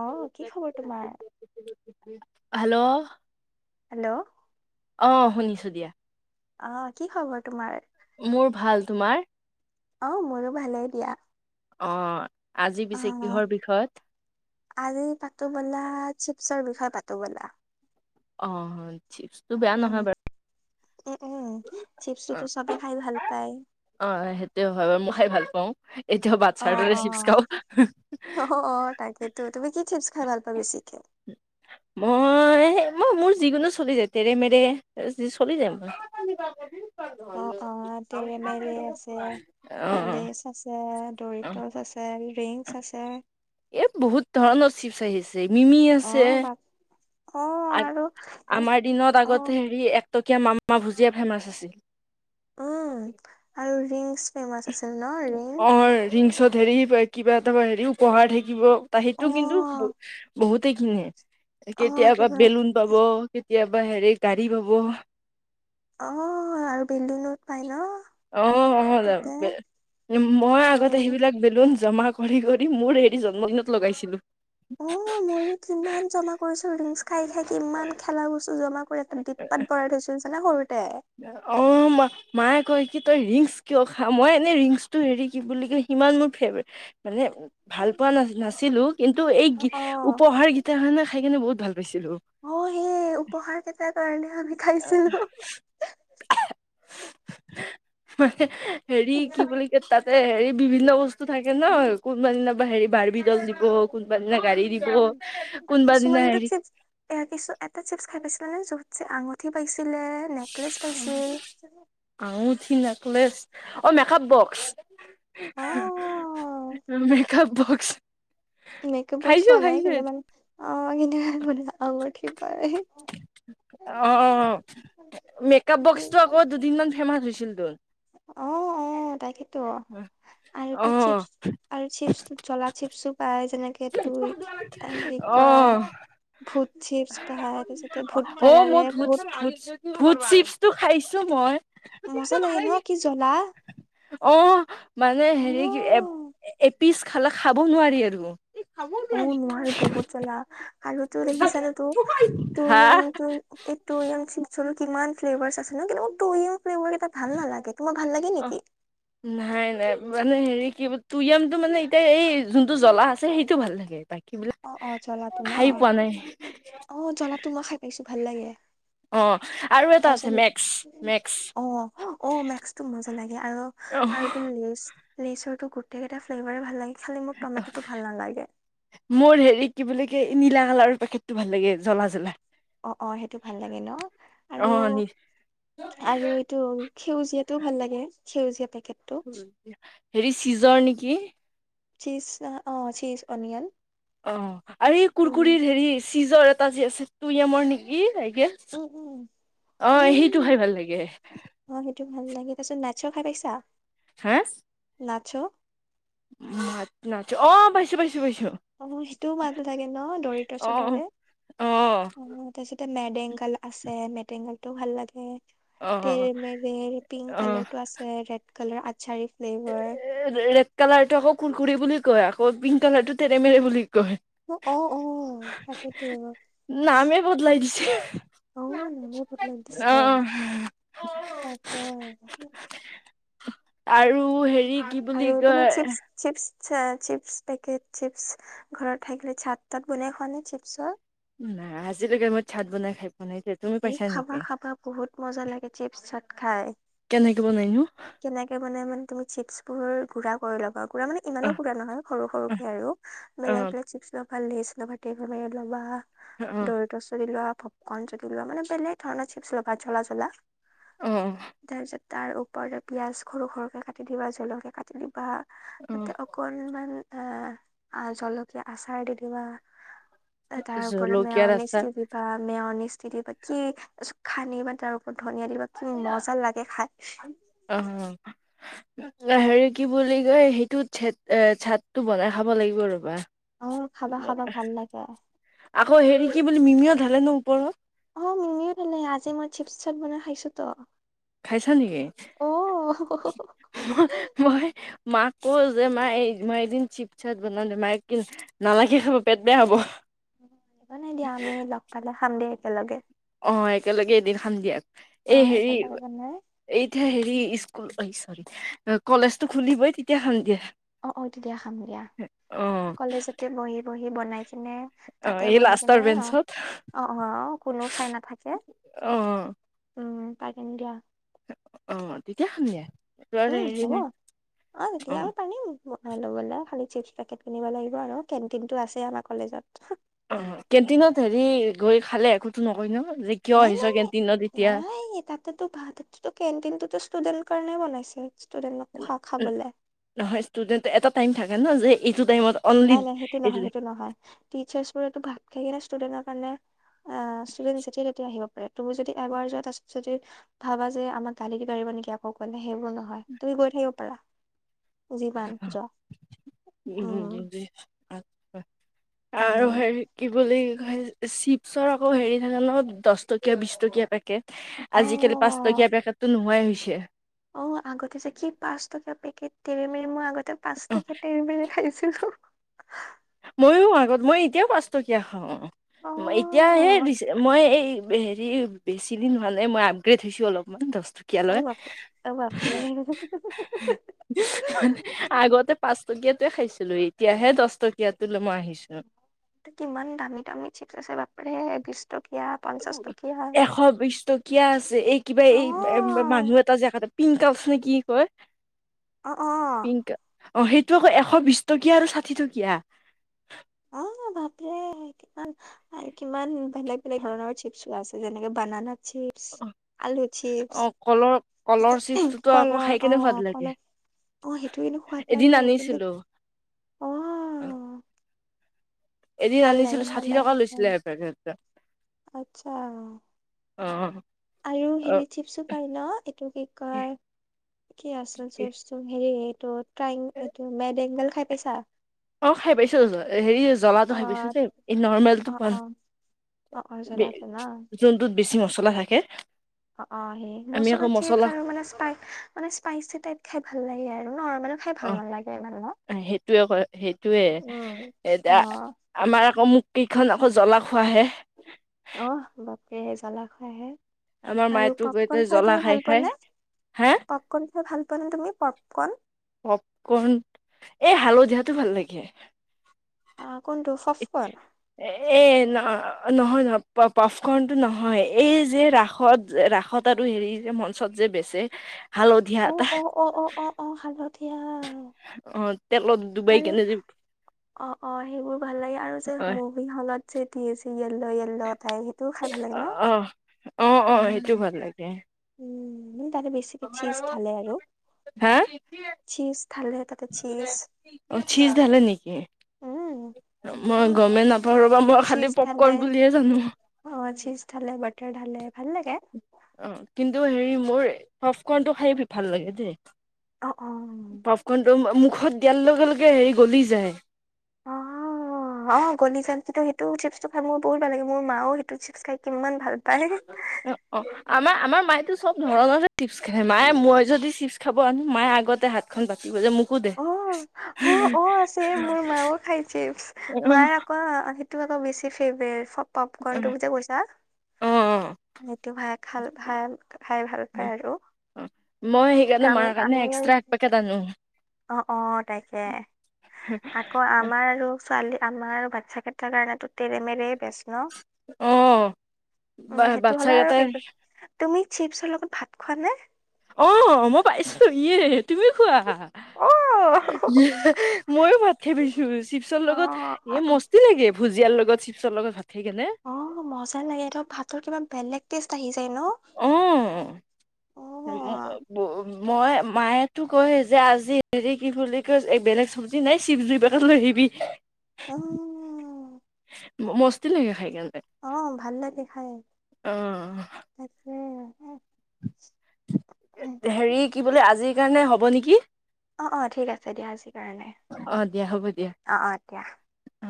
আহ', কি খবৰ তোমাৰ? হেল্ল'। হেল্ল'। অ, শুনিছো দিয়া। অ', কি খবৰ তোমাৰ? মোৰ ভাল। তোমাৰ? অ, মোৰো ভালে দিয়া। অ। আজি অ পিছে কিহৰ বিষয়ত? আজি পাতো বলা, চিপছৰ বিষয়ে পাতো বলা। অ, হয়। চিপছটো বেয়া উম নহয় বাৰু। উম উম অ, চিপছটোতো চবে খাই ভাল পায় অ সেইটোয়ে হয় মই খাই ভাল পাওঁ। এতিয়াও অ, বাচ্ছাৰ দৰে অ, চিপছ খাওঁ অ, অ তাকেইেতো তুমি কি চিপছ খাই ভাল পোৱা বেছিকে? মই, মই মোৰ যিকোনো চলি যায়। তেৰেমেৰে চলি যায় মোৰ। অ অ তেৰেমেৰি আছে, অ অ লেচ আছে, দৰিত্চ আছে ড্ৰিংস্ক আছে এ বহুত ধৰণৰ চিপ চ আহিছে। জেমিমি অ আছে বাপ অ আ আৰু আমাৰ দিনত অ আগতে হেৰি। টকীয়া মামা ভুজিয়া ফেমাচ আছিল। উম আৰু ৰিং। ফেমছা আছিল ন ৰিং। অ ৰিংছত হেৰি কিবা এটা হেৰি উপহাৰ থাকিব। ত সেইটো কিন্তু অ ব বহুত। তিখিনিয়ে। অ কেতিয়াবা কিবা বেলুন পাব কে। কেতিয়াবা হেৰি গাড়ী পাব। অ আৰু বেলুনো পাই ন অ অ তাতে। মই আগতে উম সেইবিলাক বেলুন। জমা কৰি কৰি মোৰ হেৰি জন্মদিনত লগাইছিলোঁ। অ মই কিমান জমা কৰিছো ৰিংচ খাই খাই কিমান খেলা বস্তু জমা কৰি ৰা। ডিবাত ভৰাই থৈছিলোঁ। পালা সৰুতে। অ ম মায়ে কয় কি তই ৰিংচ্ কিয় খা মই এনেই ৰিংছটো হেৰি কি বুলি কয় সিমান মোৰ ফেভিৰেদ। মানে ভাল পোৱা নাছিলো কিন্তু এই গি অ উপহাৰ গেইটা কাৰণে খাই কিনে বহুত ভাল পাইছিলো। অ সেই উপহাৰ কেইটাৰ কাৰণে আমি খাইছিলো। মানে। হেৰি কি বুলি কয় তাত। হেৰি বিভিন্ন বস্তু থাকে ন কোনা হেৰি বাৰ্বীডল দিব। কোনোব দিনা গাড়ী দিব কোনবা দিনা কিছুমানতো হেৰি। মানে য'ত যে আঙঠি পাইছে। উ আঁঙঠি নেকলেচ। অ মেকআপ বক্স। অ মেকআপ। বক্স। মেকআপ বক্স খাইছো পোৱা নাই খাইছো কিন্তু এইটো মানে। অ কেতিবা মানে আঁঙঠি পাই হে। অ মেকআপ কি বক্সটো ভাল আকৌ দুদিনমান ফেমাচ হৈছিল তোৰ। অ অ তাকে। ত' অ আৰু চিপছ আৰু চিপছ জ্বলা চিপছো আ তেনেকে তুই কি অ কয় ভূত চিপছ পাই তাৰ পিছতে ভূত অ কাৰাৰে মই ভূত ভূত চিপছটো খাইছো মজা লাগে ন মই কি জ্বলা [unintelligible] অঁ মানে অ হেৰি কি এ - এপিচ খালে খাব নোৱাৰি আৰু। অ নোৱাৰে বহুত জ্বালা। আৰু তো দেখিছানে তো, তু‌ হা ইয়ম টো‌ এই‌ তু ইয়ম চিপছৰ কিমান ফ্লেভাৰ্চ আছে ন' কিন্তু মোৰ তু‌ ইয়ম [unintelligible] মোক এটা ভাল নালাগে তোমাক ভাল লাগে নেকি? নাই নাই মানে হেৰি কি [unintelligible] তু য়ামটো মানে এতিয়া এই যোনটো জ্বলা আছে সেইটো ভাল লাগে তাক [unintelligible] বিলাক অ অ জ্বলাটো ন খাই পোৱা নাই। অ' জ্বলা টো মই খাই পাইছো। ভাল লাগে। অ আৰু এটা আছে তাৰপিছত, মেক্স মেক্স অ', অ' মেক্সটো মজা লাগে আৰু অ আৰুটো লেচ‌ লেইচৰটো গোটেই কেটা ফ্লেভাৰে ভাল লাগে। খালি মোৰ তমেট'টো ভাল নালাগে। মোৰ হেৰি কি বুলি কয় নীলা কালাৰৰ পেকেটটো ভাল লাগে, জ্বলা জ্বলা। অ' অ' সেইটো ভাল লাগে ন' অ আৰু নি - আৰু এইটো সেউজীয়াটো ভাল লাগে। সেইজীয়া পে হেৰি চিজৰ নেকি? চীজ নহ অ' চীজ অনিয়ন। অহ, আৰু এই উম, কুৰকুৰিৰ হেৰি চীজৰ এট টা যে আছে তু য়ামৰ নেকি? এই [unintelligible] উম, উম, অ' সেইটো উম। খাই ভাই লাগে। অ', সেইটো ভাল লাগে, তাৰপিছত না'চো খাই পাইছা? হা? না'চো? না- না'চো অ' পাইছো পাইছ অ' সেইটোও [unintelligible] থাকে ন', অ ডৰিতছত থাকে। অ অ' তাৰপিছত তে মেডেংগল আছে। মেডেংগল টোও ভাল লাগে। অ তেৰে মেৰে পিংক কালাৰটো আছে, ৰেড কালাৰ আৎ চাৰি - এ ৰেড কালাৰটো আকৌ কুৰকুৰী বুলি কয় আকৌ পিংক কালাৰ টো তেৰে মেৰে বুলি কয়। অ অ তাকেতো নামে বদলাই দিছে, নামে বদলাই দিছে, অহ, অহ। তাকে আৰু। ত হেৰি। কি বুলি আৰু তুমি কয় chips chips. Chips packet chips ঘৰত থাকিলে চাত তাত বনাই খোৱা নাই চিপছৰ? নাই আজিলৈকে মই চাত বনাই খাই পোৱা নাই তুমি এই পাইছা খাবা নেকি খাবা বহুত মজা লাগে চিপচত খাই। কেনেকে বনাইনো কেনেকে মানে মানে তুমি চিপছ বোৰ গোৰা কৰি ল'বা। পুৰা মানে ইমানো অহ পুৰা নহয় সৰু সৰুকে আৰু অহ বেলেগ বেলেগ চিপ। লেইছ লবা টেইক এ বাইত লবা। দৰিতচ [inaudible] পপকৰ্ন মানে বেলেগ ধৰণৰ চিপ লবা জ্বলা জ্বলা। অহ অহ তাৰ পিছত তাৰ ওপৰতে পিয়াঁজ সৰু সৰুকে কাটি দিবা জলকীয়া কাটি দিবা। অহ তাতে অকনমান এ জলকীয়া আচাৰ দি দিবা। তাৰ ওপৰত জলকীয়াৰ আচাৰ মেওনিচটো দিবা মেওনিচ [unintelligible] খানিবা তাৰ ওপৰত। ধনিয়া দিবা কি মজা লাগে খাই। অ। হেৰি কি বুলি কয়, সেইটো এ চাতটো বনাই খাব লাগিব ৰ'বা। অঁ খাবা খাবা ভাল লাগে। আকৌ হেৰি কি বুলি মিমিয়ও ঢালে ন ওপৰত। অ মিমিও ধালে আজি মই চিপ চপ বনাই খাইছো তো। খাইছা নেকি? অ মই [unintelligible] মাক ক যে মা মই এদিন চিপ চাট বনাওঁ দে মায়ে কি নালাগে খাব পেট বেয়া হ'ব। সিমানে দিয়া আমি লগ পালে খাম দিয়া। একেলগে। অ একেলগে এদিন খাম দিয়া অ এই হেৰি একেলগে বনাই এতিয়া হেৰি স্কুল আহিছ কলেজটো খুলিবই তেতিয়া খাম দিয়া। অ -অ তেতীয়া খাম দিয়া অ কলেজতে বহি- বহি। সি বনাই কিনে অ তাতে এই বনাই লাষ্টৰ কিনে অ- বেঞ্চত অ- অ কোনো চাই নাথাকে অ উম। ত কেন দিয়া। অ তেতিয়া খাম দিয়া। উম হেৰি হ'ব নাই অ হিতিয়া পাৰিম। বনাই লবলে খাল চিপছ পেকেট কিনিব লাগিব আৰু কেণ্টিন টো আছে আমাৰ কলেজত। অ কেণ্টিনত হেৰি গৈ খালে একোতো নকয় ন। যে কিয় নাই আহিছ -নাই কেণ্টিনত এতিয়া -নাই তাততেতো ভাত কেনটিনটো ষ্টুডেট। কাৰণে বনাইছিল। উ নহয় ষ্টুডেট এটা টাইম থাকে। থাকে নহ যে এইটোত। নাই- নাই সেইটো নহয় সেইটো নহয় টিচাৰ্চ বোৰে ভাত খাই। ষ্টুডেনৰ কাৰণে। অ সুৰেন চেতিয়া কেতিয়া আহিব? তুমি যদি এবাৰ যোৱা তাৰ পিছত যদি ভাবা যে আমাৰ গালি পাৰিব নেকি আকৌ গলে সেইবোৰ নহয় তুমি গৈ থাকিব পাৰা। যিমান যোৱা উম [unintelligible] আৰু উম হেৰি কি বুলি। চিপছৰ আকৌ হেৰি থাকে ন দহ টকীয়া বিশ টকীয়া পেকেট। অ আজিকালি পাঁচ টকীয়া পেকাততো নোহোৱাই হৈছ- ছে। অ আগতে যে কি পাঁচ টকা পেকেট তেৰে মেৰে মই আগত। পাঁচ টকীয়া তেৰে মেৰে খাইছিলো। ময়ো আগত মই এতিয়াও পাঁচটকীয়া খাওঁ। অ এতিয়া সে ৰিচ মই এই। হেৰি বেছি দিন হোৱা নাই মই আপগ্ৰেড হৈছো অলপমান দছ। কীয়া অ লৈ বাপৰে অ বাপৰে আগতে পাঁচটকীয়াতয়ে খাইছ- লৈ এতিয়াহে দছ টকী- ইয়াত তোলে মই আহি। কিমান দামী- দামী চিপ আছে বাপ্ৰে। এশ বিশ টকীয়া আছে এই কিবা এই অ মানুহ এটা যে পিং। কাফ নে কি কয়। অ অ। পিংক অ সেইটো আকৌ এশ বিশ টকীয়া আৰু ষাঠি টকীয়া। অ ভাপৰে কিমান। কিমান বেলেগ বেলেগ ধৰণৰ চিপছ আছে। যেনেকে বনানা। চিপছ আলু, অ কলৰ কলৰ চিপছ চিপছটোতো আকৌ খাই কলৰ, কেনে সোৱাদ অ কল লাগে আহ সেইটোৱে সোৱাদ এদিন লাগে কিন্তু আনিছিলো অ অহ এদিন আনিছিলো ষাঠি টকা অ লৈছিলে এপেট টা। আচ্ছা অ আৰু অ হেৰি চিপছো পাই ন? এইটো কি কয় কি আছিল চিপছটো হেৰি ত'ত তাইং মেডেংগল খাই পাইছা? অ খাই পাইছো। হেৰি জলাটো অ খাই পাইছো দেই। এই নৰ্মেলটো অ পোৱা অ অ অ জ্বলা নাই। জ্বলা জোনটোত বেছি মছ জ্বলা থাকে। অ, অ। সেই আমি আকৌ মচলাত মছলা আৰু মানে মানে স্পাই স্পাইচি টাইপ খাই ভাল লাগে আৰু। নৰ্মেল খাই অ ভাল নালাগে ইমান ন। সেইটোৱে ক সেইটোৱে উম। এতিয়া অ', আমাৰ আকৌ মোক কেইখন আকৌ জ্বলা খোৱাহে অ বাপৰে জ্বলা খোৱা হে। আমাৰ মায়েটো গোটে জ্বলা খাই পোৱা খাই নে? হা পপকৰ্ন খাই ভাল পোৱা নে তুমি পপকৰ্ন? পপকন এই হালধিয়া টো ভাল লাগে। অ। কোনটো সফল? অ নহয় নহয়। প পফকণটো নহয় এই যে ৰাসত ৰাসত আৰু হেৰি যে মঞ্চত যে বেছে। অ-অ-অ-অ-অ। হালত ধিয়া অ তেলত ডুবাই আৰু কেনে যে অ, অ সেইবোৰ ভাল লাগে আৰু যে অ মুভি হল [unintelligible] য়েল্লো য়েল্লো তাই সেইটোও খাই ভাল লাগে ন? অ অ অ সেইটো উম, ভাল লাগে উম। তাতে বেছিযে চিজ থালে আৰু হা চিজ ধালে তাতে চিছ অ চিজ ধালে নেকি? মই গমে নাপ চীজ ঢালে। অ। চীজ ঢালে, বাটাৰ ঢালে। ভাল লাগে। অ কিন্তু হেৰি মোৰ পফকণটো খাই ভাল লাগে দেই। অ', অ'। পফকনটো মো মোক ষধ দিয়াৰ লগে লগে হেৰি গলি যায়। অ অ গলি যাই কিন্তু সেইটো চিপছটো খাই মোৰ বহুত ভাল লাগে। মোৰ মাও সেইটো চিপছ খায়। কিমান ভাল পায়। অ অ আমাৰ, আমাৰ মাইতো চব ধৰণৰ যে চিপছ খায়। মায়ে মই যদি চিপছ খাব অনো, মায় আগতে হাতখন বাচ কি বজে মকো দে অ'। অ', অ' আছে মোৰ মাও [unintelligible] অহ। টো আক বেছি ফেব্ৰেদ পপকন তটো বু যে কৈছা। অ সেইটো ভাইক খাল ভাইল। খাই ভাল পায় আৰু। মই সেইকাৰনে মাৰ কাৰণে এক্সট্ৰা এক পাকেট আনো। অহ তাকে। আকৌ আমাৰ আৰু ছোৱালী আমাৰ বাচ্ছা কেইটাৰ কাৰনেতো তেৰেমেৰে বেষ্ট ন? অহ উম, সেইটো বা-বাচ্ছা হ'লে কেইটাই আৰু তুমি চিপছৰ লগত ভাত খোৱা নে? অহ মই পাইছো। ইয়ে তুমিও খোৱা? অ', ইয়েহ মইও ভাত পাইচ। উ চিপচৰ লগত অ', এ মস্তি লাগে। ভুজিয়াৰ লগত চিপছৰ লগত ভাত খাই কেনে অহ মজা লাগে ন? ভাতৰ কিবা বেলেগ টেষ্ট আহি যায় ন? অ অহ মই মায়েতো কয় যে আজি হেৰি কি বুলি কয় এই বেলেগ চব্জি নাই চিপছ দুইপাকেত লৈ আহিবি। উম, মস্তি লাগে খাই কেন। অহ, ভাল লাগে খাই। তাকে হেৰি কি বুলে আজিৰ কাৰণে হ'ব হ'ব নেকি? অহ-অহ ঠিক আছে দিয়া আজিৰ কাৰণে। অ দিয়া হ'ব দিয়া অহ দিয়া। অ